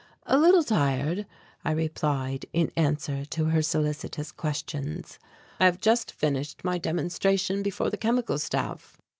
"A little tired," I replied, in answer to her solicitous questions; "I have just finished my demonstration before the Chemical Staff."